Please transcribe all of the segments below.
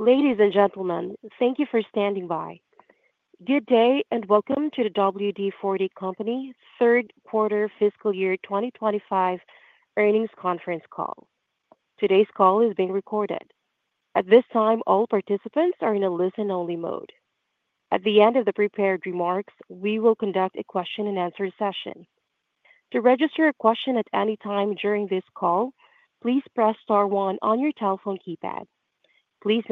Ladies and gentlemen, thank you for standing by. Good day, and welcome to the WD-forty Company Third Quarter Fiscal Year twenty twenty five Earnings Conference Call. Today's call is being recorded. At this time, all participants are in a listen only mode. At the end of the prepared remarks, we will conduct a question and answer session. Session.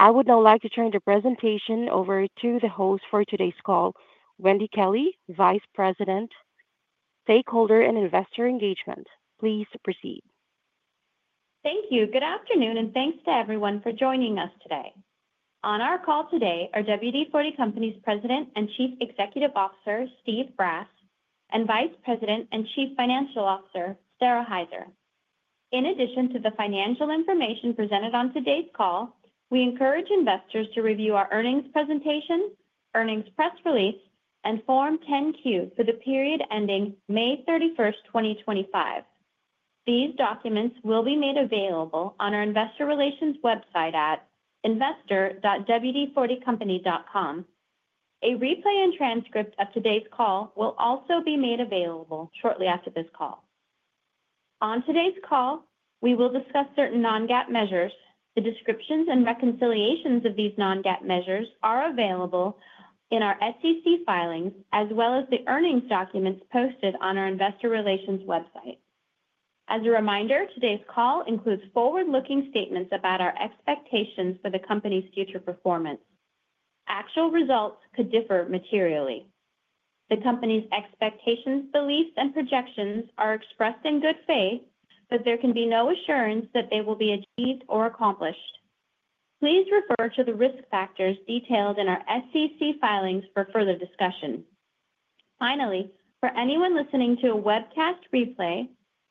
I would now like to turn the presentation over to the host for today's call, Wendy Kelley, Vice President, Stakeholder and Investor Engagement. Please proceed. Thank you. Good afternoon, and thanks to everyone for joining us today. On our call today are WD-forty Company's President and Chief Executive Officer, Steve Brass and Vice President and Chief Financial Officer, Sarah Heiser. In addition to the financial information presented on today's call, we encourage investors to review our earnings presentation, earnings press release and Form 10 Q for the period ending 05/31/2025. These documents will be made available on our Investor Relations website at investor.wd40company.com. A replay and transcript of today's call will also be made available shortly after this call. On today's call, we will discuss certain non GAAP measures. The descriptions and reconciliations of these non GAAP measures are available in our SEC filings as well as the earnings documents posted on our Investor Relations website. As a reminder, today's call includes forward looking statements about our expectations for the company's future performance. Actual results could differ materially. The company's expectations, beliefs, and projections are expressed in good faith, but there can be no assurance that they will be achieved or accomplished. Please refer to the risk factors detailed in our SEC filings for further discussion. Finally, for anyone listening to a webcast replay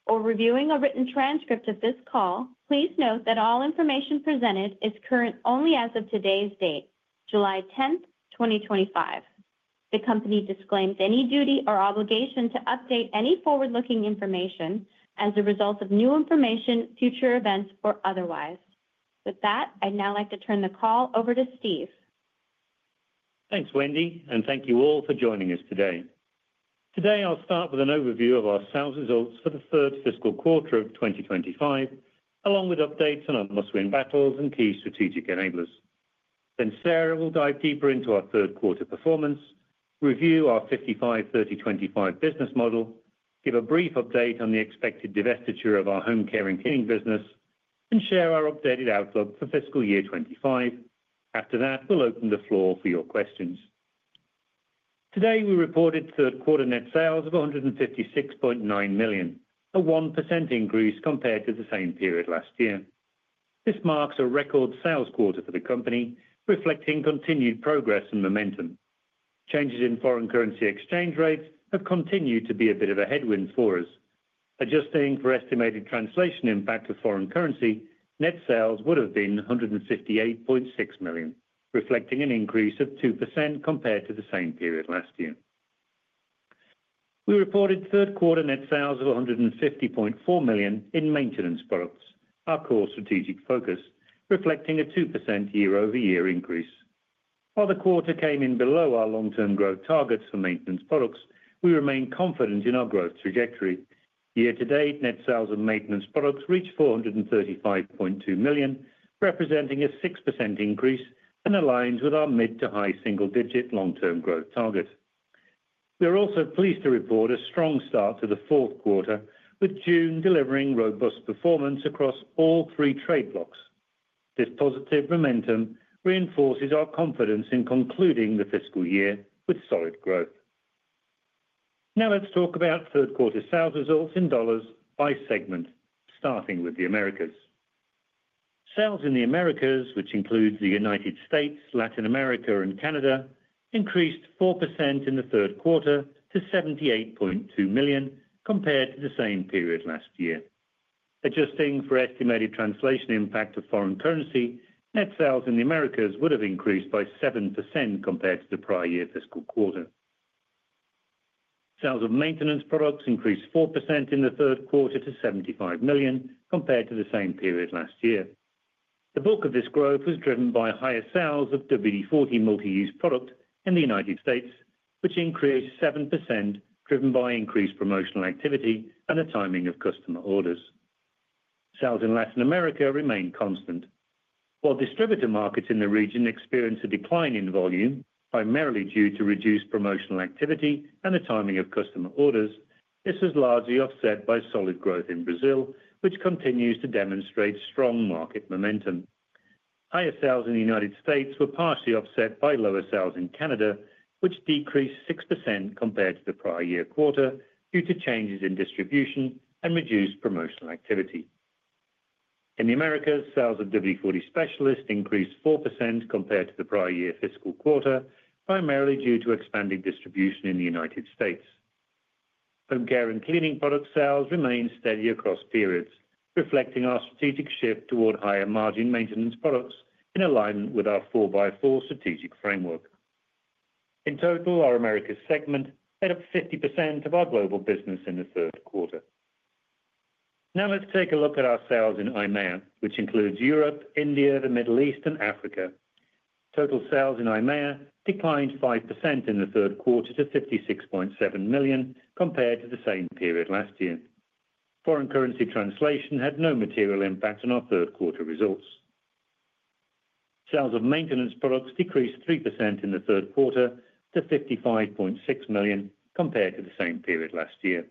or reviewing a written transcript of this call, please note that all information presented is current only as of today's date, 07/10/2025. The company disclaims any duty or obligation to update any forward looking information as a result of new information, future events or otherwise. With that, I'd now like to turn the call over to Steve. Thanks, Wendy, and thank you all for joining us today. Today, I'll start with an overview of our sales results for the third fiscal quarter of twenty twenty five along with updates on our must win battles and key strategic enablers. Then Sarah will dive deeper into our third quarter performance, review our fifty fivethirtytwenty five business model, give a brief update on the expected divestiture of our Home Care and Cleaning business and share our updated outlook for fiscal year twenty twenty five. After that, we'll open the floor for your questions. Today, we reported third quarter net sales of $156,900,000 a 1% increase compared to the same period last year. This marks a record sales quarter for the company reflecting continued progress and momentum. Changes in foreign currency exchange rates have continued to be a bit of a headwind for us. Adjusting for estimated translation impact of foreign currency, net sales would have been $158,600,000 reflecting an increase of 2% compared to the same period last year. We reported third quarter net sales of $150,400,000 in maintenance products, our core strategic focus reflecting a 2% year over year increase. While the quarter came in below our long term growth targets for maintenance products, we remain confident in our growth trajectory. Year to date net sales of maintenance products reached 435,200,000 representing a 6% increase and aligns with our mid to high single digit long term growth target. We are also pleased to report a strong start to the fourth quarter with June delivering robust performance across all three trade blocks. This positive momentum reinforces our confidence in concluding the fiscal year with solid growth. Now let's talk about third quarter sales results in dollars by segment starting with The Americas. Sales in The Americas, which includes The United States, Latin America and Canada increased 4% in the third quarter to 78,200,000 compared to the same period last year. Adjusting for estimated translation impact of foreign currency, net sales in The Americas would have increased by 7% compared to the prior year fiscal quarter. Sales of maintenance products increased 4% in the third quarter to $75,000,000 compared to the same period last year. The bulk of this growth was driven by higher sales of WD-forty Multi Use Product in The United States, which increased 7% driven by increased promotional activity and the timing of customer orders. Sales in Latin America remained constant, while distributor markets in the region experienced a decline in volume primarily due to reduced promotional activity and the timing of customer orders, this is largely offset by solid growth in Brazil, which continues to demonstrate strong market momentum. Higher sales in The United States were partially offset by lower sales in Canada, which decreased 6% compared to the prior year quarter due to changes in distribution and reduced promotional activity. In The Americas, sales of WD-forty Specialist increased 4% compared to the prior year fiscal quarter, primarily due to expanding distribution in The United States. Home Care and Cleaning product sales remained steady across periods, reflecting our strategic shift toward higher margin maintenance products in alignment with our 4x4 strategic framework. In total, our Americas segment had up 50% of our global business in the third quarter. Now let's take a look at our sales in EMEA, which includes Europe, India, The Middle East and Africa. Total sales in EMEA declined 5% in the third quarter to $56,700,000 compared to the same period last year. Foreign currency translation had no material impact on our third quarter results. Sales of maintenance products decreased 3% in the third quarter to $55,600,000 compared to the same period last year.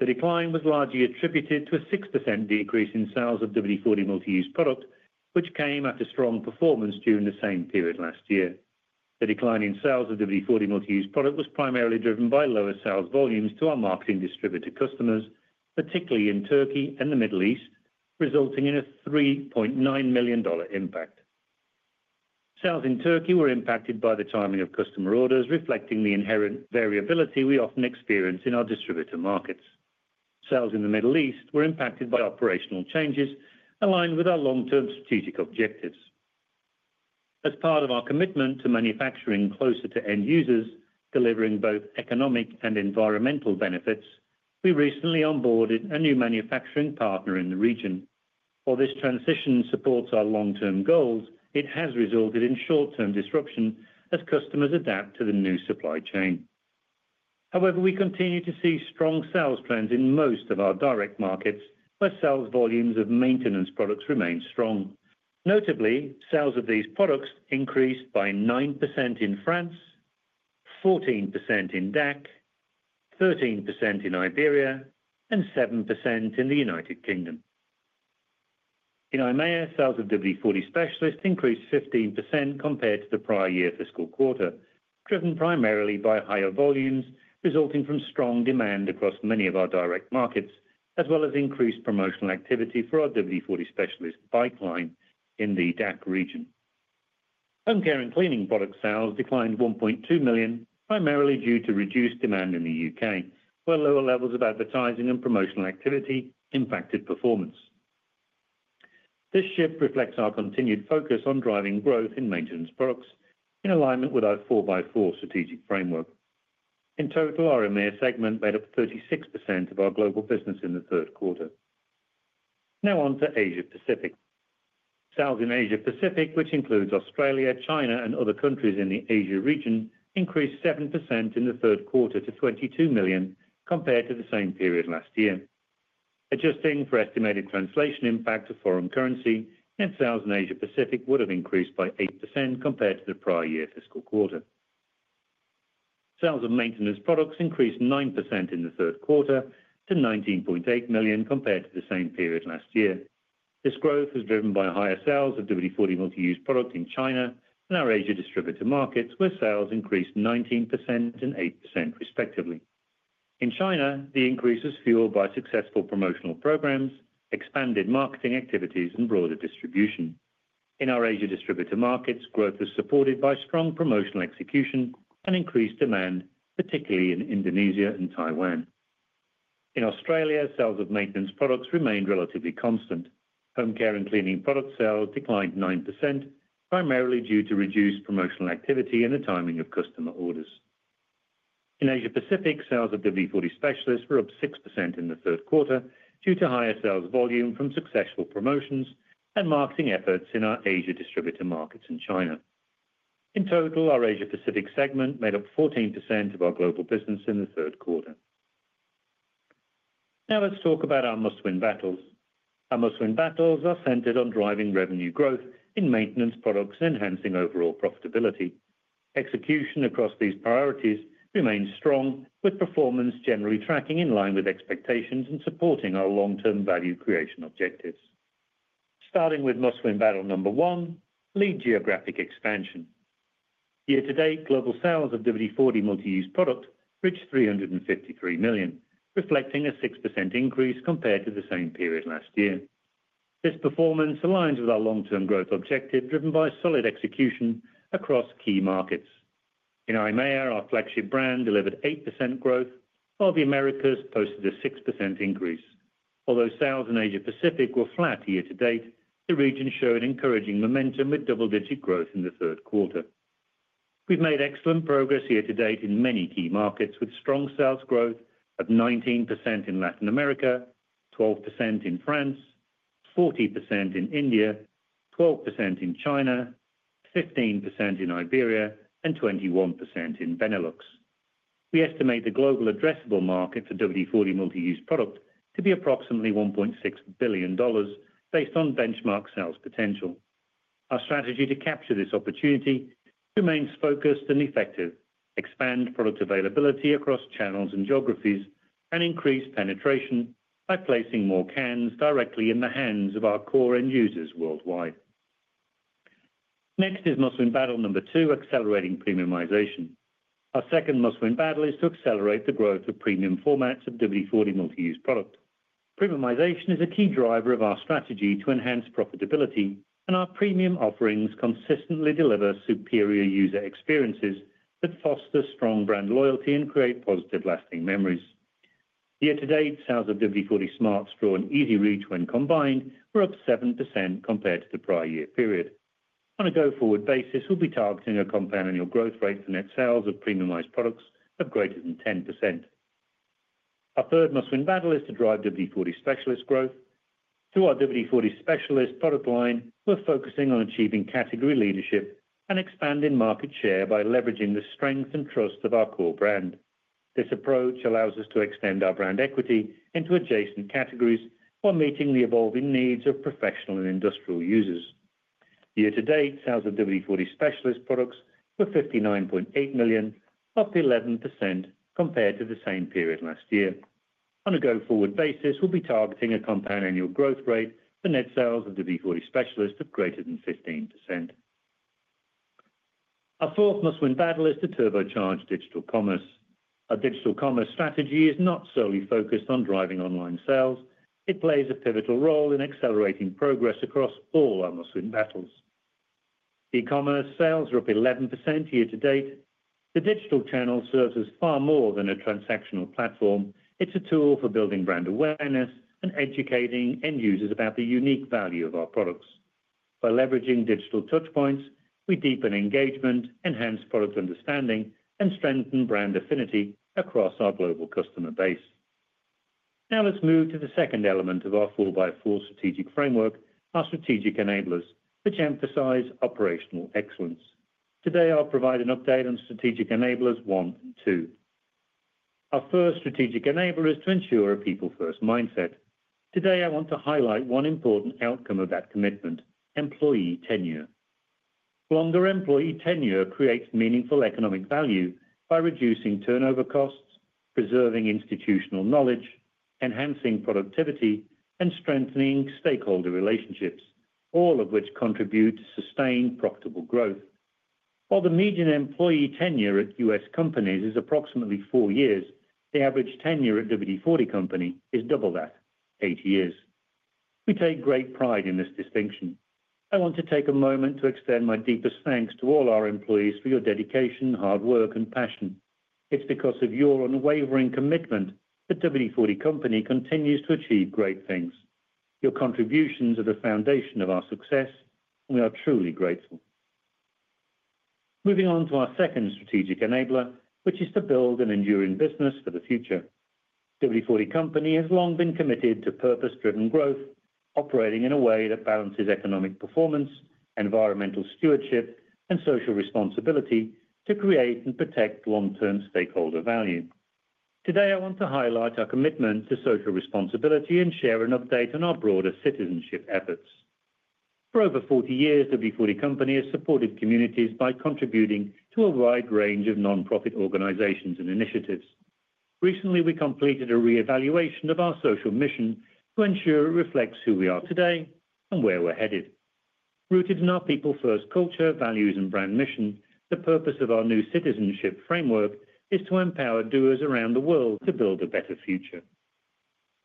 The decline was largely attributed to a 6% decrease in sales of WD-forty Multi Use Product, which came after strong performance during the same period last year. The decline in sales of WD-forty Multi Use Product was primarily driven by lower sales volumes to our marketing distributor customers, particularly in Turkey and The Middle East, resulting in a $3,900,000 impact. Sales in Turkey were impacted by the timing of customer orders reflecting the inherent variability we often experience in our distributor markets. Sales in The Middle East were impacted by operational changes aligned with our long term strategic objectives. As part of our commitment to manufacturing closer to end users delivering both economic and environmental benefits, we recently onboarded a new manufacturing partner in the region. While this transition supports our long term goals, it has resulted in short term disruption as customers adapt to the new supply chain. However, we continue to see strong sales trends in most of our direct markets, but sales volumes of maintenance products remain strong. Notably, sales of these products increased by 9% in France, 14% in DAC, 13% in Iberia and 7% in The United Kingdom. In EMEA, sales of WD-forty Specialist increased 15% compared to the prior year fiscal quarter, driven primarily by higher volumes resulting from strong demand across many of our direct markets as well as increased promotional activity for our WD-forty Specialist pipeline in the DACH region. Home Care and Cleaning product sales declined $1,200,000 primarily due to reduced demand in The UK, while lower levels of advertising and promotional activity impacted performance. This shift reflects our continued focus on driving growth in maintenance products in alignment with our 4x4 strategic framework. In total, our EMEA segment made up 36% of our global business in the third quarter. Now on to Asia Pacific. Sales in Asia Pacific, which includes Australia, China and other countries in the Asia region increased 7% in the third quarter to $22,000,000 compared to the same period last year. Adjusting for estimated translation impact of foreign currency, net sales in Asia Pacific would have increased by 8% compared to the prior year fiscal quarter. Sales of maintenance products increased 9% in the third quarter to $19,800,000 compared to the same period last year. This growth was driven by higher sales of WD-forty Multi Use Product in China and our Asia distributor markets where sales increased nineteen percent and eight percent respectively. In China, the increase was fueled by successful promotional programs, expanded marketing activities and broader distribution. In our Asia distributor markets, growth was supported by strong promotional execution and increased demand particularly in Indonesia and Taiwan. In Australia, sales of maintenance products remained relatively constant. Home care and cleaning product sales declined 9% primarily due to reduced promotional activity and the timing of customer orders. In Asia Pacific, sales of W-forty Specialists were up 6% in the third quarter due to higher sales volume from successful promotions and marketing efforts in our Asia distributor markets in China. In total, our Asia Pacific segment made up 14% of our global business in the third quarter. Now let's talk about our must win battles. Our must win battles are centered on driving revenue growth in maintenance products enhancing overall profitability. Execution across these priorities remains strong with performance generally tracking in line with expectations and supporting our long term value creation objectives. Starting with Musclewin Battle number one, lead geographic expansion. Year to date global sales of WD-forty Multi Use Product reached $353,000,000 reflecting a 6% increase compared to the same period last year. This performance aligns with our long term growth objective driven by solid execution across key markets. In EMEA, our flagship brand delivered 8% growth, while The Americas posted a 6% increase. Although sales in Asia Pacific were flat year to date, the region showed encouraging momentum with double digit growth in the third quarter. We've made excellent progress year to date in many key markets with strong sales growth of 19% in Latin America, 12% in France, 40% in India, 12% in China, 15% in Iberia and 21 in Benelux. We estimate the global addressable market for WD-forty Multi Use Product to be approximately $1,600,000,000 based on benchmark sales potential. Our strategy to capture this opportunity remains focused and effective, expand product availability across channels and geographies and increase penetration by placing more cans directly in the hands of our core end users worldwide. Next is muscle in battle number two, accelerating premiumization. Our second muscle in battle is to accelerate the growth of premium formats of WD-forty Multi Use Product. Premiumization is a key driver of our strategy to enhance profitability and our premium offerings consistently deliver superior user experiences that foster strong brand loyalty and create positive lasting memories. Year to date, sales of WD-forty Smart Straw and Easy Reach when combined were up 7% compared to the prior year period. On a go forward basis, we'll be targeting a compound annual growth rate for net sales of premiumized products of greater than 10%. Our third must win battle is to drive WD-forty Specialist growth. Through our WD-forty Specialist product line, we're focusing on achieving category leadership and expanding market share by leveraging the strength and trust of our core brand. This approach allows us to extend our brand equity into adjacent categories while meeting the evolving needs of professional and industrial users. Year to date, sales of WD-forty Specialist products were $59,800,000 up 11% compared to the same period last year. On a go forward basis, we'll be targeting a compound annual growth rate for net sales of the V40 Specialist of greater than 15%. Our fourth must win battle is to turbocharge digital commerce. Our digital commerce strategy is not solely focused on driving online sales. It plays a pivotal role in accelerating progress across all our muslim battles. E commerce sales were up 11% year to date. The digital channel serves as far more than a transactional platform. It's a tool for building brand awareness and educating end users about the unique value of our products. By leveraging digital touch points, we deepen engagement, enhance product understanding and strengthen brand affinity across our global customer base. Now let's move to the second element of our 4x4 strategic framework, our strategic enablers, which emphasize operational excellence. Today, I'll provide an update on strategic enablers one and two. Our first strategic enabler is to ensure a people first mindset. Today, want to highlight one important outcome of that commitment, employee tenure. Longer employee tenure creates meaningful economic value by reducing turnover costs, preserving institutional knowledge, enhancing productivity and strengthening stakeholder relationships, all of which contribute to sustained profitable growth. While the median employee tenure at U. S. Companies is approximately four years, the average tenure at WD-forty Company is double that, eight years. We take great pride in this distinction. I want to take a moment to extend my deepest thanks to all our employees for your dedication, hard work, and passion. It's because of your unwavering commitment that WD-forty company continues to achieve great things. Your contributions are the foundation of our success and we are truly grateful. Moving on to our second strategic enabler, which is to build an enduring business for the future. W-forty Company has long been committed to purpose driven growth, operating in a way that balances economic performance, environmental stewardship and social responsibility to create and protect long term stakeholder value. Today, want to highlight our commitment to social responsibility and share an update on our broader citizenship efforts. For over forty years, The B40 Company has supported communities by contributing to a wide range of nonprofit organizations and initiatives. Recently, we completed a reevaluation of our social mission to ensure it reflects who we are today and where we're headed. Rooted in our people first culture, values, brand mission, the purpose of our new citizenship framework is to empower doers around the world to build a better future.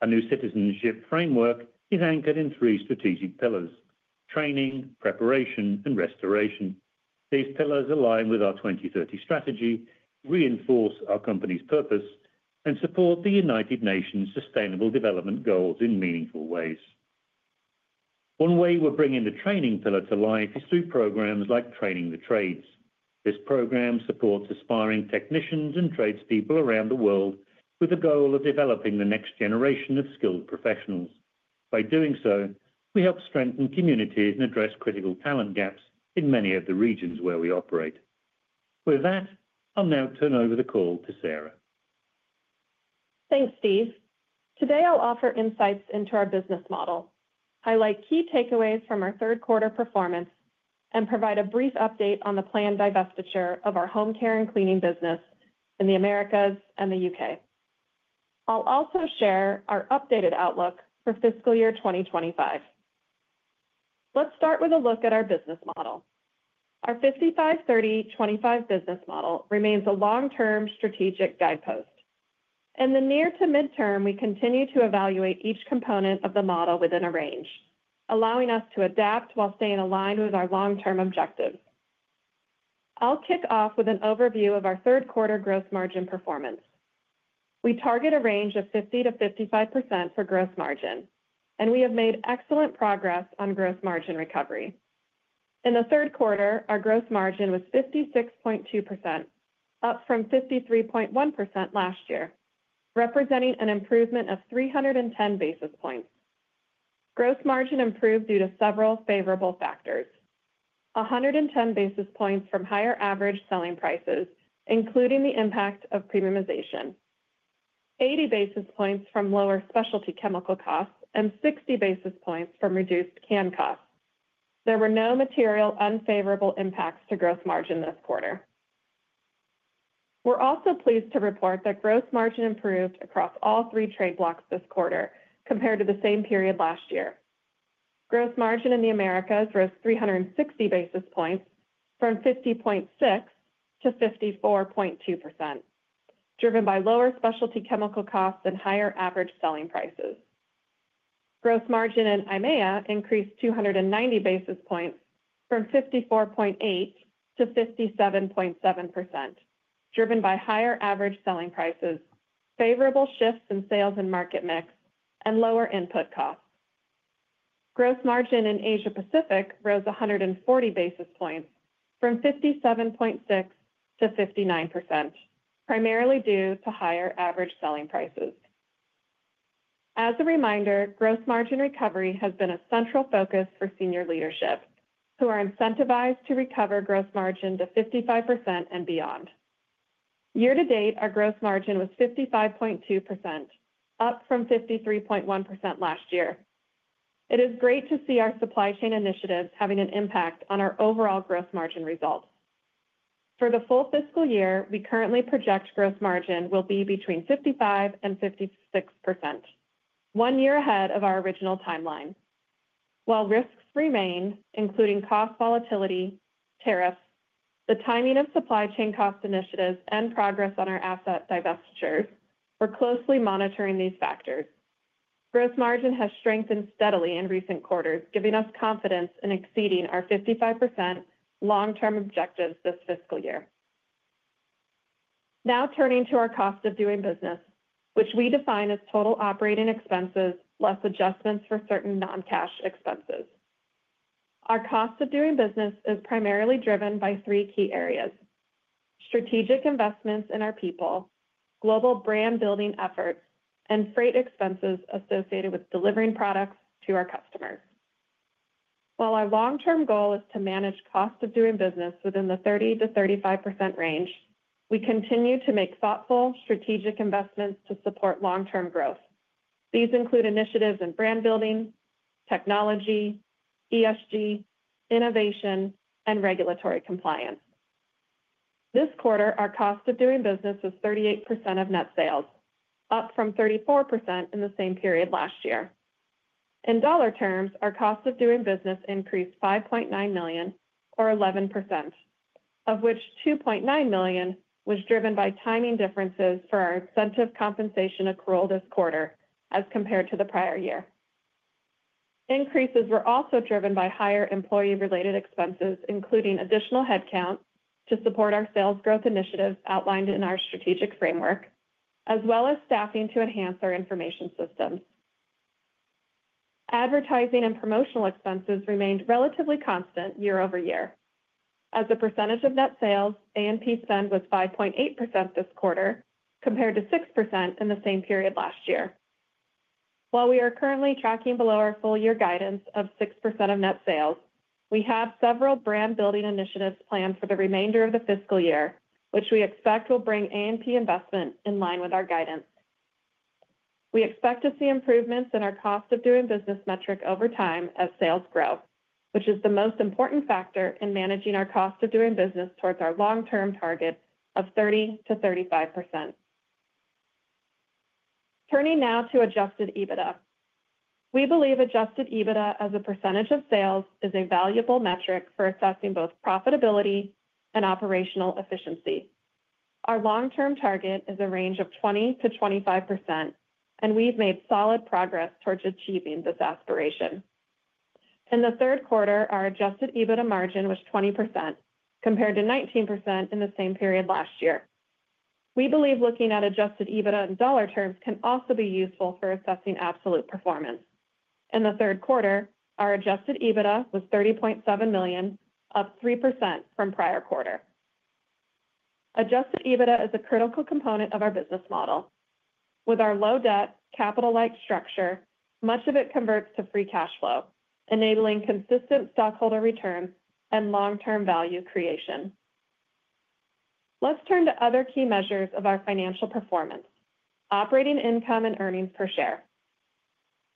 Our new citizenship framework is anchored in three strategic pillars, training, preparation, and restoration. These pillars align with our 2030 strategy, reinforce our company's purpose and support the United Nations Sustainable Development Goals in meaningful ways. One way we're bringing the training pillar to life is through programs like Training the Trades. This program supports aspiring technicians and tradespeople around the world with the goal of developing the next generation of skilled professionals. By doing so, we help strengthen communities and address critical talent gaps in many of the regions where we operate. With that, I'll now turn over the call to Sarah. Thanks, Steve. Today, I'll offer insights into our business model, highlight key takeaways from our third quarter performance and provide a brief update on the planned divestiture of our Home Care and Cleaning business in The Americas and The UK. I'll also share our updated outlook for fiscal year twenty twenty five. Let's start with a look at our business model. Our fifty fivethirtytwenty five business model remains a long term strategic guidepost. In the near to mid term, we continue to evaluate each component of the model within a range, allowing us to adapt while staying aligned with our long term objective. I'll kick off with an overview of our third quarter gross margin performance. We target a range of 50% to 55% for gross margin, and we have made excellent progress on gross margin recovery. In the third quarter, our gross margin was 56.2%, up from 53.1% last year, representing an improvement of three ten basis points. Gross margin improved due to several favorable factors, 110 basis points from higher average selling prices, including the impact of premiumization, 80 basis points from lower specialty chemical costs, and 60 basis points from reduced can costs. There were no material unfavorable impacts to gross margin this quarter. We're also pleased to report that gross margin improved across all three trade blocks this quarter compared to the same period last year. Gross margin in The Americas rose three sixty basis points from 50.6% to 54.2% driven by lower specialty chemical costs and higher average selling prices. Gross margin in EMEA increased two ninety basis points from 54.8% to 57.7% driven by higher average selling prices, favorable shifts in sales and market mix, and lower input costs. Gross margin in Asia Pacific rose 140 basis points from 57.6 to 59%, primarily due to higher average selling prices. As a reminder, gross margin recovery has been a central focus for senior leadership who are incentivized to recover gross margin to 55% and beyond. Year to date, our gross margin was 55.2, up from 53.1% last year. It is great to see our supply chain initiatives having an impact on our overall gross margin results. For the full fiscal year, we currently project gross margin will be between 5556%, one year ahead of our original timeline. While risks remain, including cost volatility, tariffs, the timing of supply chain cost initiatives and progress on our asset divestitures, we're closely monitoring these factors. Gross margin has strengthened steadily in recent quarters, giving us confidence in exceeding our 55% long term objectives this fiscal year. Now turning to our cost of doing business, which we define as total operating expenses less adjustments for certain non cash expenses. Our cost of doing business is primarily driven by three key areas: strategic investments in our people, global brand building efforts, and freight expenses associated with delivering products to our customers. While our long term goal is to manage cost of doing business within the 30% to 35% range, we continue to make thoughtful strategic investments to support long term growth. These include initiatives in brand building, technology, ESG, innovation, and regulatory compliance. This quarter, our cost of doing business was 38% of net sales, up from 34% in the same period last year. In dollar terms, our cost of doing business increased $5,900,000 or 11%, of which $2,900,000 was driven by timing differences for our incentive compensation accrual this quarter as compared to the prior year. Increases were also driven by higher employee related expenses, including additional headcount to support our sales growth initiatives outlined in our strategic framework as well as staffing to enhance our information systems. Advertising and promotional expenses remained relatively constant year over year. As a percentage of net sales, A and P spend was 5.8% this quarter compared to 6% in the same period last year. While we are currently tracking below our full year guidance of 6% of net sales, we have several brand building initiatives planned for the remainder of the fiscal year, which we expect will bring A and P investment in line with our guidance. We expect to see improvements in our cost of doing business metric over time as sales grow, which is the most important factor in managing our cost of doing business towards our long term target of 30% to 35%. Turning now to adjusted EBITDA. We believe adjusted EBITDA as a percentage of sales is a valuable metric for assessing both profitability and operational efficiency. Our long term target is a range of 20% to 25%, and we've made solid progress towards achieving this aspiration. In the third quarter, our adjusted EBITDA margin was 20% compared to 19% in the same period last year. We believe looking at adjusted EBITDA in dollar terms can also be useful for assessing absolute performance. In the third quarter, our adjusted EBITDA was $30,700,000 up 3% from prior quarter. Adjusted EBITDA is a critical component of our business model. With our low debt, capital like structure, much of it converts to free cash flow, enabling consistent stockholder returns and long term value creation. Let's turn to other key measures of our financial performance, operating income and earnings per share.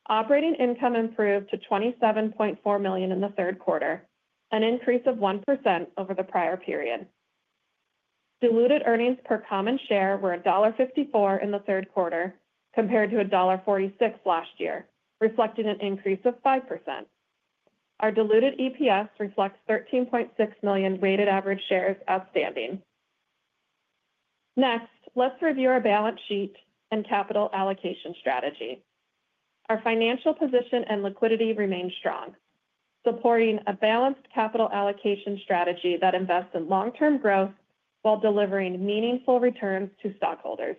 Operating income improved to $27,400,000 in the third quarter, an increase of 1% over the prior period. Diluted earnings per common share were $1.54 in the third quarter compared to $1.46 last year, reflecting an increase of 5%. Our diluted EPS reflects 13,600,000.0 weighted average shares outstanding. Next, let's review our balance sheet and capital allocation strategy. Our financial position and liquidity remains strong, supporting a balanced capital allocation strategy that invests in long term growth while delivering meaningful returns to stockholders.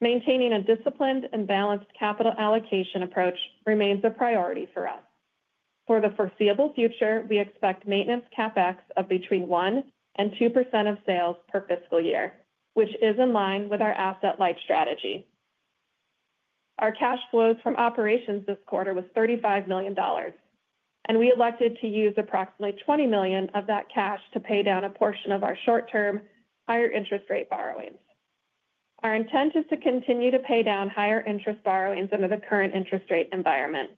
Maintaining a disciplined and balanced capital allocation approach remains a priority for us. For the foreseeable future, we expect maintenance CapEx of between 12% of sales per fiscal year, which is in line with our asset light strategy. Our cash flows from operations this quarter was $35,000,000 and we elected to use approximately $20,000,000 of that cash to pay down a portion of our short term higher interest rate borrowings. Our intent is to continue to pay down higher interest borrowings under the current interest rate environment.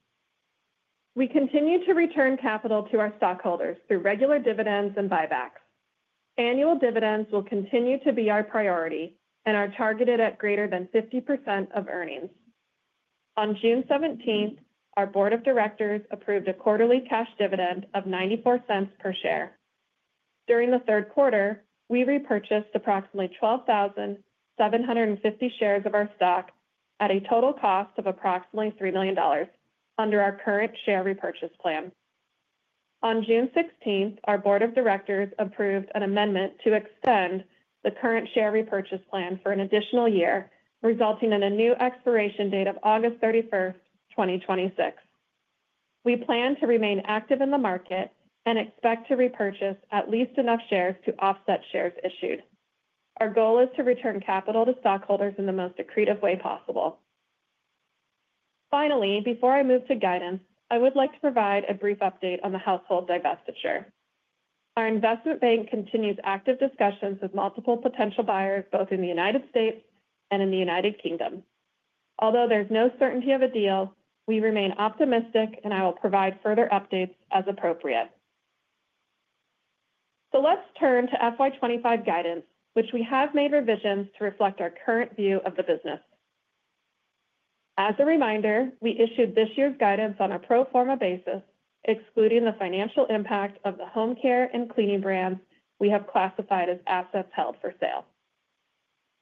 We continue to return capital to our stockholders through regular dividends and buybacks. Annual dividends will continue to be our priority and are targeted at greater than 50% of earnings. On June 17, our Board of Directors approved a quarterly cash dividend of $0.94 per share. During the third quarter, we repurchased approximately 12,750 shares of our stock at a total cost of approximately $3,000,000 under our current share repurchase plan. On June 16, our Board of Directors approved an amendment to extend the current share repurchase plan for an additional year, resulting in a new expiration date of 08/31/2026. We plan to remain active in the market and expect to repurchase at least enough shares to offset shares issued. Our goal is to return capital to stockholders in the most accretive way possible. Finally, before I move to guidance, I would like to provide a brief update on the household divestiture. Our investment bank continues active discussions multiple potential buyers both in The United States and in The United Kingdom. Although there's no certainty of a deal, we remain optimistic, and I will provide further updates as appropriate. So let's turn to FY 2025 guidance, which we have made revisions to reflect our current view of the business. As a reminder, we issued this year's guidance on a pro form a basis, excluding the financial impact of the home care and cleaning brands we have classified as assets held for sale.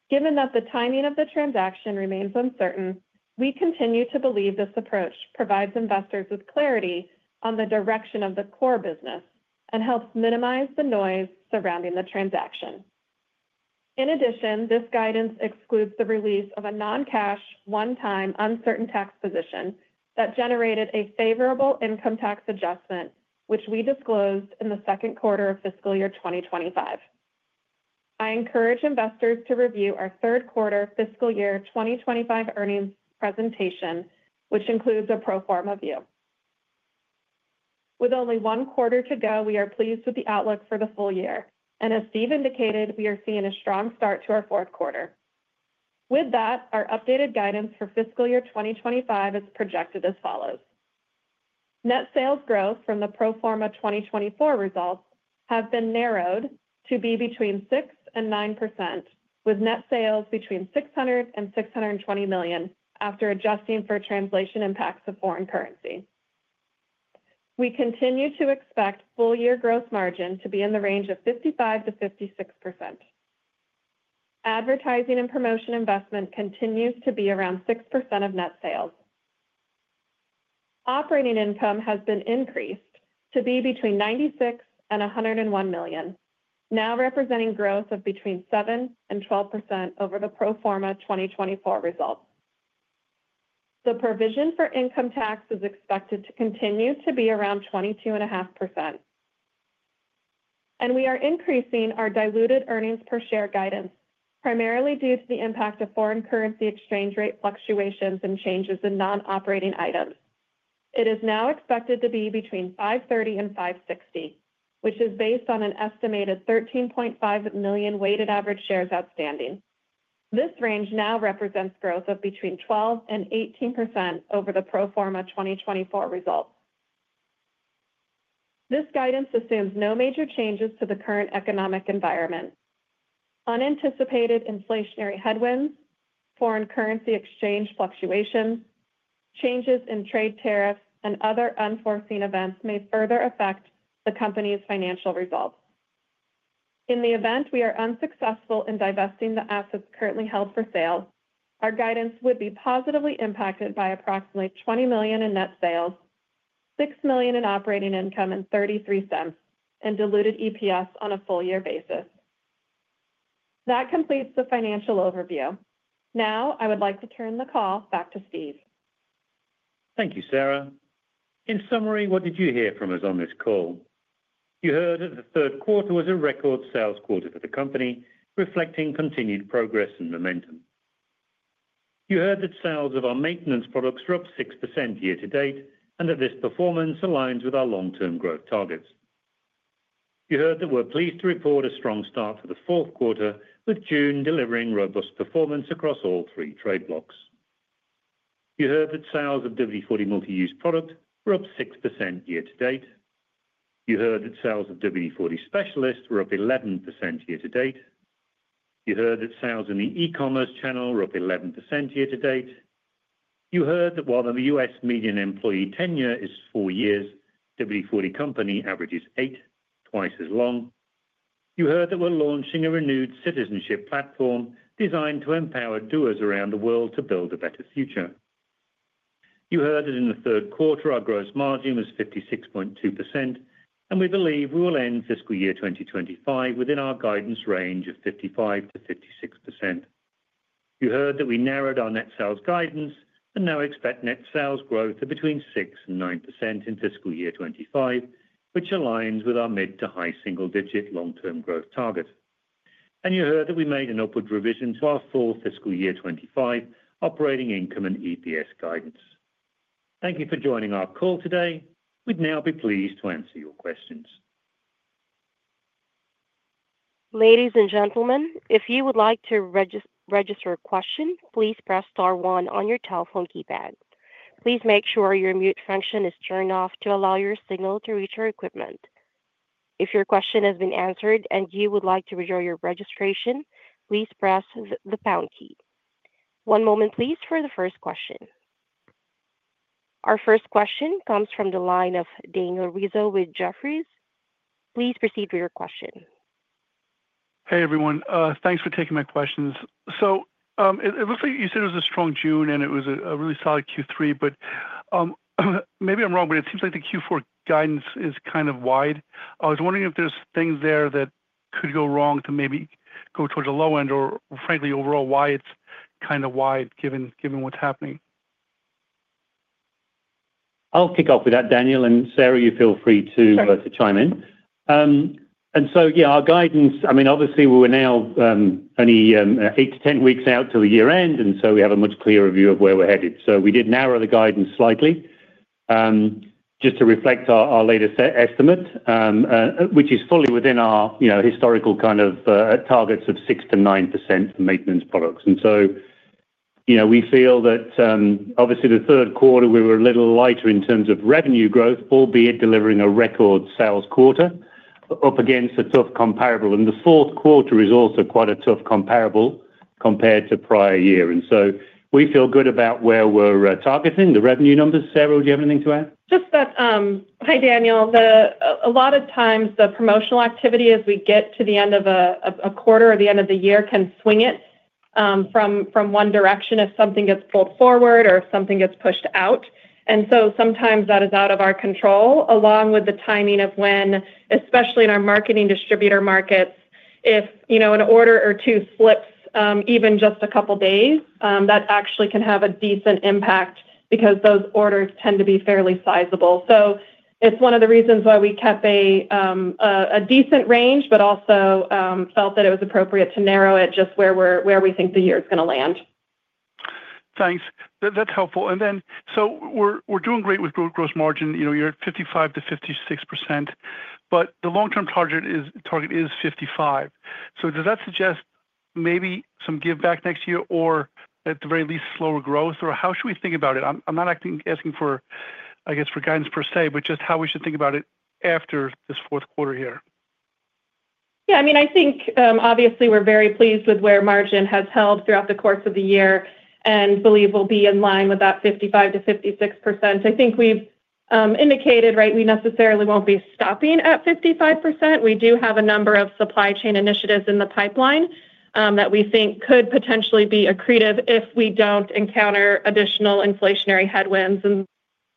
Given that the timing of the transaction remains uncertain, we continue to believe this approach provides investors with clarity on the direction of the core business and helps minimize the noise surrounding the transaction. In addition, this guidance excludes the release of a non cash one time uncertain tax position that generated a favorable income tax adjustment, which we disclosed in the second quarter of fiscal year twenty twenty five. I encourage investors to review our third quarter fiscal year twenty twenty five earnings presentation, which includes a pro form a view. With only one quarter to go, we are pleased with the outlook for the full year. And as Steve indicated, we are seeing a strong start to our fourth quarter. With that, our updated guidance for fiscal year twenty twenty five is projected as follows. Net sales growth from the pro form a 2024 results have been narrowed to be between 69% with net sales between 600,000,000 and $620,000,000 after adjusting for translation impacts of foreign currency. We continue to expect full year gross margin to be in the range of 55% to 56%. Advertising and promotion investment continues to be around 6% of net sales. Operating income has been increased to be between 96,000,000 and $101,000,000 now representing growth of between 712% over the pro form a 2024 results. The provision for income tax is expected to continue to be around twenty two point five percent. And we are increasing our diluted earnings per share guidance, primarily due to the impact of foreign currency exchange rate fluctuations and changes in non operating items. It is now expected to be between 5.3 and $5.6 which is based on an estimated 13,500,000.0 weighted average shares outstanding. This range now represents growth of between 1218% over the pro form a 2024 results. This guidance assumes no major changes to the current economic environment. Unanticipated inflationary headwinds, foreign currency exchange fluctuations, changes in trade tariffs, and other unforeseen events may further affect the company's financial results. In the event we are unsuccessful in divesting the assets currently held for sale, our guidance would be positively impacted by approximately $20,000,000 in net sales, dollars 6,000,000 in operating income and $0.33 and diluted EPS on a full year basis. That completes the financial overview. Now I would like to turn the call back to Steve. Thank you, Sarah. In summary, what did you hear from us on this call? You heard that the third quarter was a record sales quarter for the company reflecting continued progress and momentum. You heard that sales of our maintenance products were up 6% year to date and that this performance aligns with our long term growth targets. You heard that we're pleased to report a strong start to the fourth quarter with June delivering robust performance across all three trade blocks. You heard that sales of WD-forty Multi Use Product were up 6% year to date. You heard that sales of WD-forty Specialist were up 11% year to date. You heard that sales in the e commerce channel were up 11% year to date. You heard that while The U. S. Median employee tenure is four years, W-forty company averages eight, twice as long. You heard that we're launching a renewed citizenship platform designed to empower doers around the world to build a better future. You heard that in the third quarter, our gross margin was 56.2% and we believe we will end fiscal year twenty twenty five within our guidance range of 55% to 56%. You heard that we narrowed our net sales guidance and now expect net sales growth to between 69% in fiscal year twenty twenty five, which aligns with our mid to high single digit long term growth target. And you heard that we made an upward revision to our full fiscal year twenty twenty five operating income and EPS guidance. Thank you for joining our call today. We'd now be pleased to answer your questions. Our first question comes from the line of Daniel Rizzo with Jefferies. Please proceed with your question. Hey, everyone. Thanks for taking my questions. So it looks like you said it was a strong June and it was a really solid Q3. But maybe I'm wrong, but it seems like the Q4 guidance is kind of wide. I was wondering if there's things there that could go wrong to maybe go towards the low end or frankly overall why it's kind of wide given what's happening? I'll kick off with that Daniel. And Sarah, you feel free to And chime so yes, our guidance I mean, obviously, we're now only eight to ten weeks out till year end and so we have a much clearer view of where we're headed. So we did narrow the guidance slightly just to reflect our latest estimate, which is fully within our historical kind of targets of 6% to 9% maintenance products. And so we feel that obviously the third quarter we were a little lighter in terms of revenue growth albeit delivering a record sales quarter up against a tough comparable. And the fourth quarter is also quite a tough comparable compared to prior year. And so we feel good about where we're targeting, the revenue numbers. Sarah, do you have anything to add? Just that. Hi, Daniel. A lot of times, the promotional activity as we get to the end of a quarter or the end of the year can swing it from one direction if something gets pulled forward or if something gets pushed out. And so sometimes that is out of our control along with the timing of when, especially in our marketing distributor markets, if an order or two slips even just a couple of days, that actually can have a decent impact because those orders tend to be fairly sizable. So it's one of the reasons why we kept a decent range, but also felt that it was appropriate to narrow it just where we think the year is going to land. Thanks. That's helpful. And then so we're doing great with gross margin. You're at 55% to 56%, but the long term target is 55%. So does that suggest maybe some give back next year or at the very least slower growth? Or how should we think about it? I'm not asking for, I guess, for guidance per se, but just how we should think about it after this fourth quarter here. Yes. I mean, I think, obviously, we're very pleased with where margin has held throughout the course of the year and believe we'll be in line with that 55% to 56%. I think we've indicated, right, we necessarily won't be stopping at 55%. We do have a number of supply chain initiatives in the pipeline that we think could potentially be accretive if we don't encounter additional inflationary headwinds.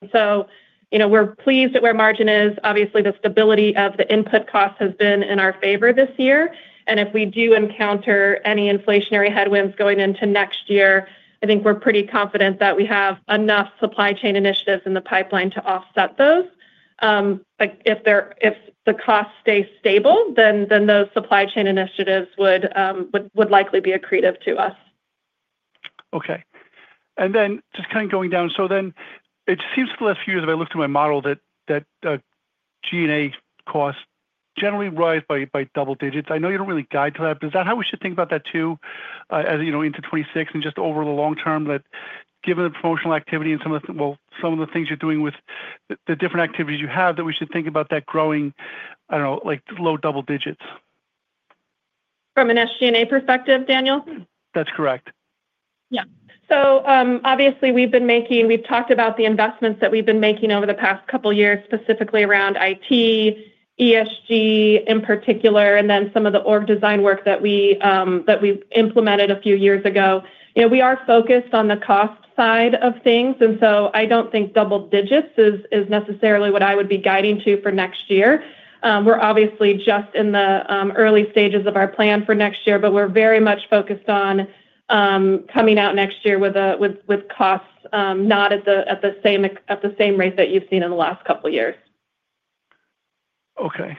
And so we're pleased that where margin is. Obviously, the stability of the input cost has been in our favor this year. And if we do encounter any inflationary headwinds going into next year, I think we're pretty confident that we have enough supply chain initiatives in the pipeline to offset those. But if there if the costs stay stable, then those supply chain initiatives would likely be accretive to us. Okay. And then just kind of going down. So then it seems for the last few years, if I look to my model, G and A costs generally rise by double digits. I know you don't really guide to that. But is that how we should think about that too, as you know, into 2026 and just over the long term that given the promotional activity and some of the well, some of the things you're doing with the different activities you have that we should think about that growing, I don't know, like low double digits? From an SG and A perspective, Daniel? That's correct. Yeah. So, obviously, we've been making we've talked about the investments that we've been making over the past couple years, specifically around IT, ESG in particular, and then some of the org design work that we that we've implemented a few years ago. We are focused on the cost side of things. And so I don't think double digits is necessarily what I would be guiding to for next year. We're obviously just in the early stages of our plan for next year, but we're very much focused on coming out next year with costs not at the same rate that you've seen in the last couple of years. Okay.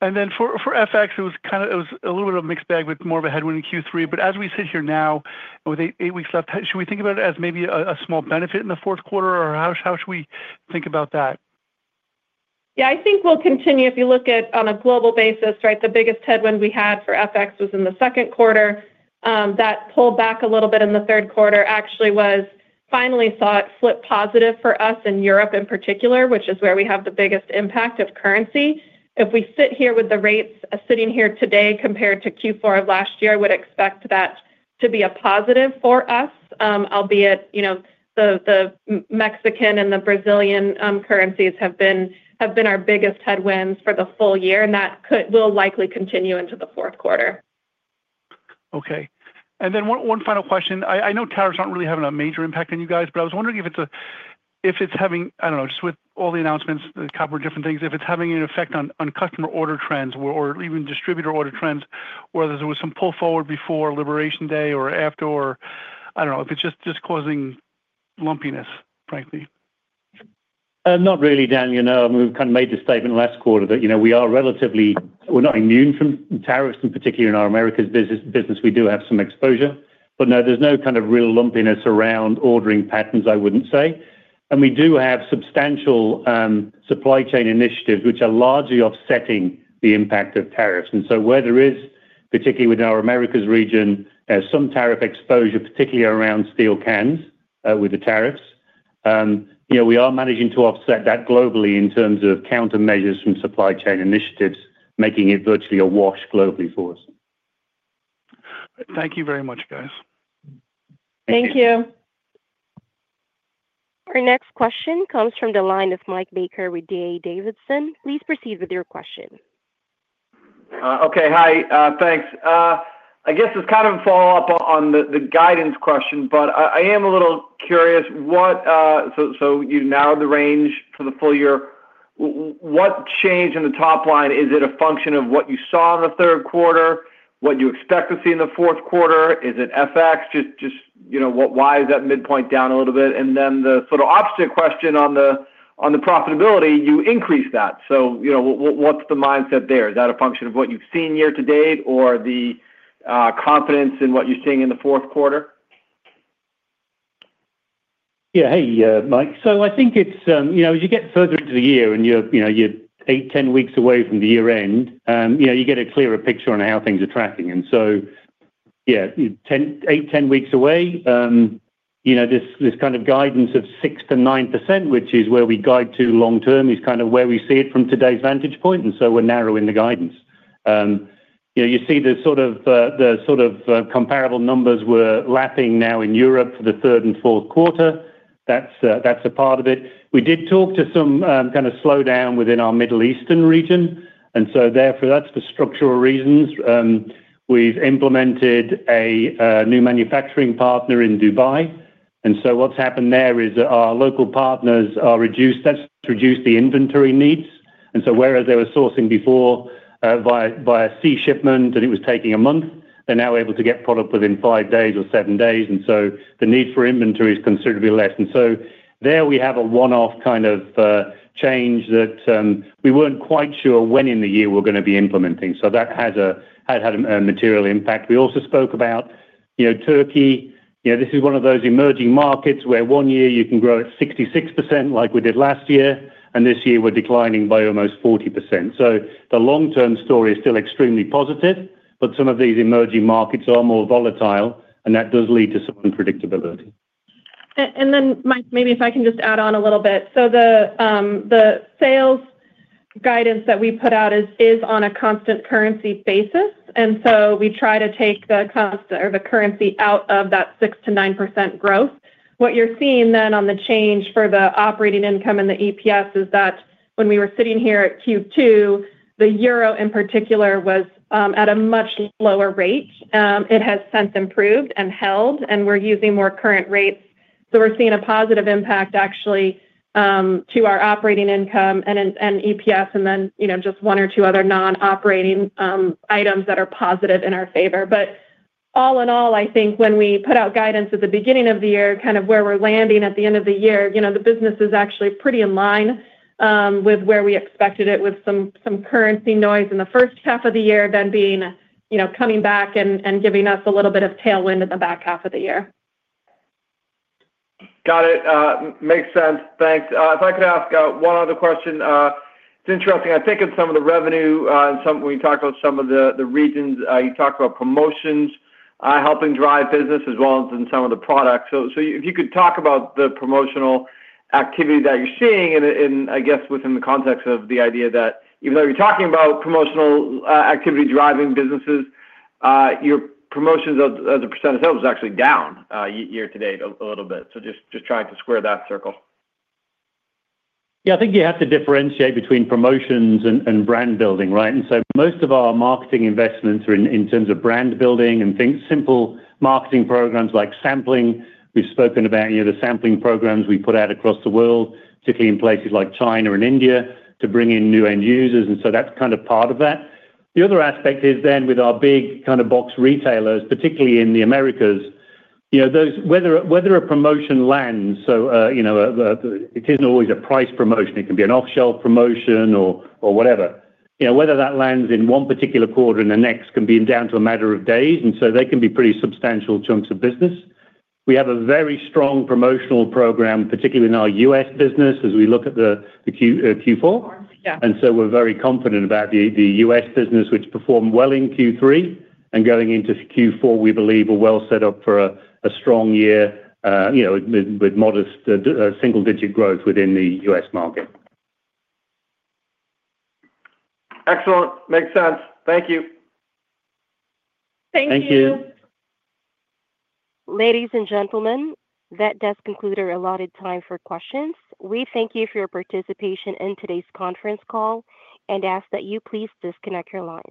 And then for FX, was kind of it was a little bit of mixed bag with more of a headwind in Q3. But as we sit here now with eight weeks left, should we think about it as maybe a small benefit in the fourth quarter? Or how should we think about that? Yes. I think we'll continue. If you look at on a global basis, right, the biggest headwind we had for FX was in the second quarter. That pulled back a little bit in the third quarter, actually was finally saw it flip positive for us in Europe in particular, which is where we have the biggest impact of currency. If we sit here with the rates sitting here today compared to Q4 of last year, I would expect that to be a positive for us, albeit the Mexican and the Brazilian currencies have been our biggest headwinds for the full year, and that will likely continue into the fourth quarter. Okay. And then one final question. I know tariffs aren't really having a major impact on you guys, but I was wondering if it's having I don't know, with all the announcements, a couple of different things, if it's having an effect on customer order trends or even distributor order trends, whether there was some pull forward before Liberation Day or after or I don't know if it's just causing lumpiness frankly? Not really, Dan. We've kind of made the statement last quarter that we are relatively we're not immune from tariffs. In particular, in our Americas business, we do have some exposure. But no, there's no kind of real lumpiness around ordering patterns, I wouldn't say. And we do have substantial supply chain initiatives, which are largely offsetting the impact of tariffs. And so where there is particularly within our Americas region some tariff exposure particularly around steel cans with the tariffs, we are managing to offset that globally in terms of countermeasures from supply chain initiatives making it virtually awash globally for us. Thank you very much guys. Thank Our next question comes from the line of Mike Baker with D. A. Davidson. Please proceed with your question. Okay. Hi. Thanks. I guess just kind of a follow-up on the guidance question, but I am a little curious what so you now have the range for the full year. What changed in the top line? Is it a function of what you saw in the third quarter? What do you expect to see in the fourth quarter? Is it FX? Just why is that midpoint down a little bit? And then the sort of opposite question on the profitability, you increased that. So what's the mindset there? Is that a function of what you've seen year to date or the confidence in what you're seeing in the fourth quarter? Yes. Hey, Mike. So I think it's as you get further into the year and you're eight, ten weeks away from the year end, you get a clearer picture on how things are tracking. And so yes, eight, ten weeks away, This kind of guidance of 6% to 9%, which is where we guide to long term is kind of where we see it from today's vantage point, and so we're narrowing the guidance. You see the sort of comparable numbers we're lapping now in Europe for the third and fourth quarter. That's a part of it. We did talk to some kind of slowdown within our Middle Eastern region. And so therefore that's the structural reasons. We've implemented a new manufacturing partner in Dubai. And so what's happened there is our local partners are reduced that's reduced the inventory needs. And so whereas they were sourcing before via sea shipment and it was taking a month, they're now able to get product within five days or seven days. And so the need for inventory is considerably less. And so there we have a one off kind of change that we weren't quite sure when in the year we're going to be implementing. So that has had a material impact. We also spoke about Turkey. This is one of those emerging markets where one year you can grow at 66% like we did last year and this year we're declining by almost 40%. So the long term story is still extremely positive, but some of these emerging markets are more volatile, and that does lead to some unpredictability. And then, Mike, maybe if I can just add on a little bit. So the sales guidance that we put out is on a constant currency basis. And so we try to take the constant currency out of that 6% to 9% growth. What you're seeing then on the change for the operating income and the EPS is that when we were sitting here at Q2, the euro in particular was at a much lower rate. It has since improved and held, and we're using more current rates. So we're seeing a positive impact actually to our operating income and EPS and then just one or two other non operating items that are positive in our favor. But all in all, I think when we put out guidance at the beginning of the year, kind of where we're landing at the end of the year, the business is actually pretty in line with where we expected it with some currency noise in the first half of the year then being coming back and giving us a little bit of tailwind in the back half of the year. Got it. Makes sense. Thanks. If I could ask one other question. Interesting. I think in some of the revenue and some when you talk about some of the regions, you talked about promotions helping drive business as well as in some of the products. So if you could talk about the promotional activity that you're seeing and I guess within the context of the idea that even though you're talking about promotional activity driving businesses, your promotions as a percent of sales is actually down year to date a little bit. So just trying to square that circle. Yes. I think you have to differentiate between promotions and brand building, right? And so most of our marketing investments are in terms of brand building and think simple marketing programs like sampling. We've spoken about the sampling programs we put out across the world, particularly in places like China and India to bring in new end users. And so that's kind of part of that. The other aspect is then with our big kind of box retailers, particularly in The Americas, those whether a promotion lands, so it isn't always a price promotion. It can be an off shelf promotion or whatever. Whether that lands in one particular quarter and the next can be down to a matter of days, and so they can be pretty substantial chunks of business. We have a very strong promotional program, particularly in our U. S. Business as we look at the Q4. And so we're very confident about The U. S. Business, which performed well in Q3. And going into Q4, we believe we're well set up for a strong year with modest single digit growth within The U. S. Market. Excellent. Makes sense. Thank you. Ladies and gentlemen, that does conclude our allotted time for questions. We thank you for your participation in today's conference call and ask that you please disconnect your line.